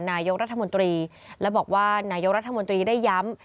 นายกรัฐมนตรีและบอกว่านายกรัฐมนตรีได้ย้ำ